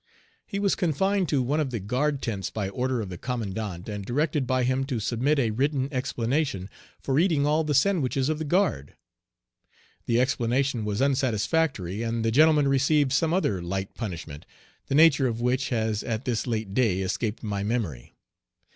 He was confined to one of the guard tents by order of the commandant, and directed by him to submit a written explanation for eating all the sandwiches of the guard. The explanation was unsatisfactory, and the gentleman received some other light punishment, the nature of which has at this late day escaped my memory.